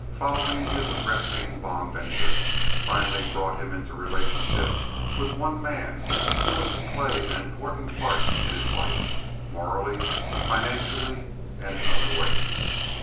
following his arresting bond venture, finally brought him into relationship with one man who was to play an important part in his life, morally, financially, and in other ways.